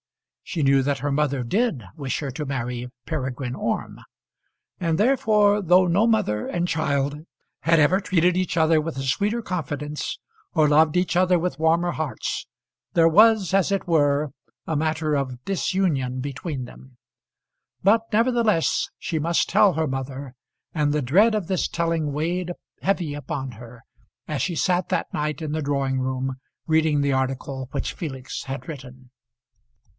She knew that her mother did wish her to marry Peregrine Orme. And therefore though no mother and child had ever treated each other with a sweeter confidence, or loved each other with warmer hearts, there was as it were a matter of disunion between them. But nevertheless she must tell her mother, and the dread of this telling weighed heavy upon her as she sat that night in the drawing room reading the article which Felix had written.